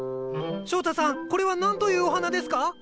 翔太さんこれは何というお花ですか？